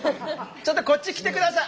ちょっとこっち来て下さい！